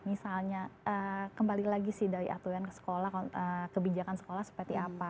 misalnya kembali lagi sih dari aturan ke sekolah kebijakan sekolah seperti apa